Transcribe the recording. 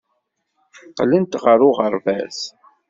Qqlent ɣer uɣerbaz.